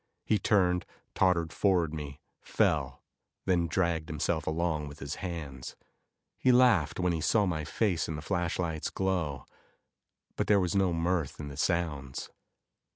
He turned, tottered toward me, fell, then dragged himself along with his hands. He laughed when he saw my face in the flashlight's glow, but there was no mirth in the sounds.